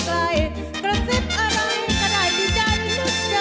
กระซิบอะไรก็ได้ดีใจทุกเจอ